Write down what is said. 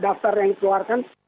dari keterangan pak jokowi